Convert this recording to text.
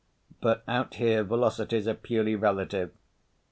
—but out here velocities are purely relative.